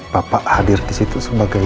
bapak hadir disitu sebagai saksi